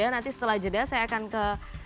nanti setelah jeda saya akan ke